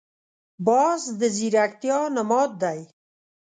باز د ځیرکتیا نماد دی